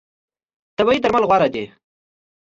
طبیعي درمل غوره دي.